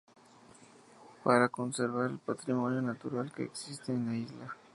Para conservar el patrimonio natural que existe en la isla.